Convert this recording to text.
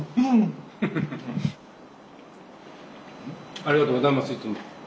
ありがとうございますいつも。